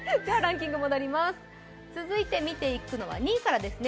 続いて見ていくのは２位からですね。